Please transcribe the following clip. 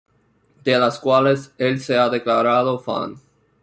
De las cuales el se ha declarado fan.